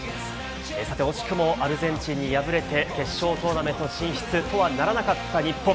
惜しくもアルゼンチンに敗れて決勝トーナメント進出とはならなかった日本。